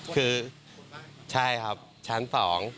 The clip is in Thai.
คือใช่ครับชั้นสอง